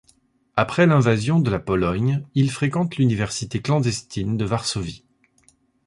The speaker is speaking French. Après l'invasion de la Pologne, il fréquente l'université clandestine de Varsovie.